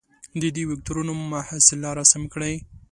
د دې وکتورونو محصله رسم کړئ.